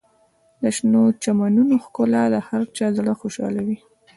د شنو چمنونو ښکلا د هر چا زړه خوشحالوي.